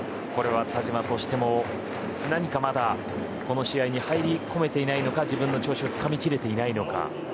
田嶋としても何かまだ、この試合に入りこめていないのか自分の調子をつかみきれていないのか。